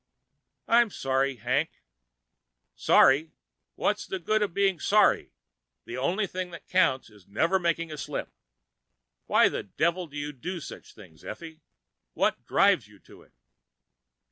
"I'm sorry, Hank." "Sorry? What's the good of being sorry? The only thing that counts is never to make a slip! Why the devil do you do such things, Effie? What drives you to it?"